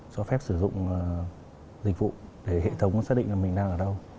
cho phép sử dụng dịch vụ để hệ thống xác định là mình đang ở đâu